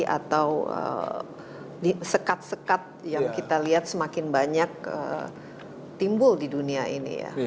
atau sekat sekat yang kita lihat semakin banyak timbul di dunia ini ya